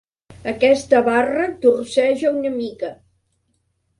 Aquesta barra torceja una mica.